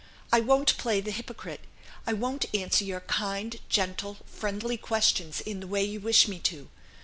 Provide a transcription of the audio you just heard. I won't play the hypocrite; I won't answer your kind, gentle, friendly questions in the way you wish me to.